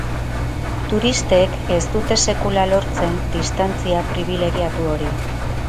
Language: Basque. Turistek ez dute sekula lortzen distantzia pribilegiatu hori.